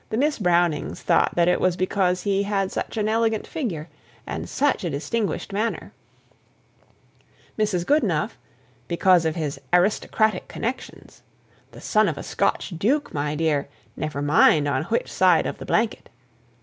Miss Brownings thought that it was because he had such an elegant figure, and "such a distinguished manner;" Mrs. Goodenough, "because of his aristocratic connections" "the son of a Scotch duke, my dear, never mind on which side of the blanket."